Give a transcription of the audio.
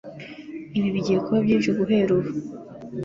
Ibi bigiye kuba byinshi guhera ubu.